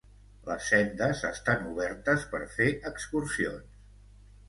Les sendes estan obertes per fer excursions.